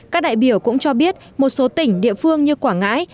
các đại biểu cũng cho biết một số tỉnh địa phương như quảng ngãi